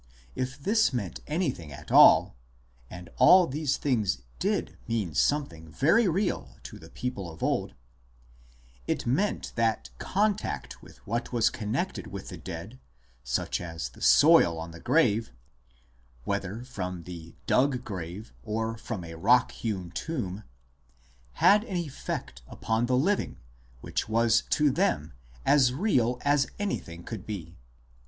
* If this meant anything at all (and all these things did mean something very real to the people of old), it meant that contact with what was connected with the dead, such as the soil on the grave (whether from the dug grave or from a rock hewn tomb), had an effect upon the living which was to them as real as anything could be.